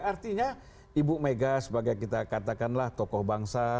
artinya ibu mega sebagai kita katakanlah tokoh bangsa